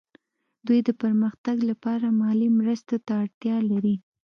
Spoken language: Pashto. دوی د پرمختګ لپاره مالي مرستو ته اړتیا لري